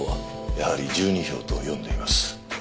やはり１２票と読んでいます。